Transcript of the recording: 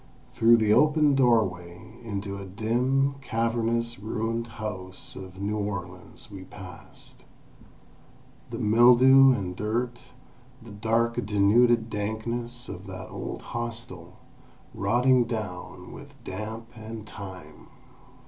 Through the open doorway, into a dim, cavernous, ruined house of New Orleans we passed. The mildew and dirt, the dark denuded dankness of that old hostel, rotting down with damp and time!